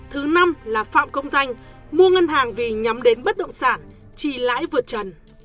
thứ năm là phạm công danh mua ngân hàng vì nhắm đến bất động sản trì lãi vượt trần